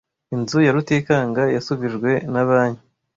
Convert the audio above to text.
Inzu ya Rutikanga yasubijwe na banki.